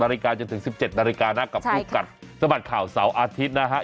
๑๖นาฬิกาจนถึง๑๗นาฬิกาครับกับพรุ่งคอสมัสข่าวเสาร์อาทิตย์นะครับ